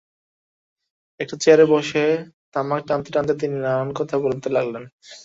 একটা চেয়ারে বসে তামাক টানতে টানতে তিনি নানান কথা বলতে লাগলেন।